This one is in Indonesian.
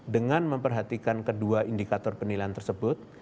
dengan memperhatikan kedua indikator penilaian tersebut